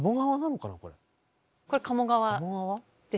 これ鴨川ですね。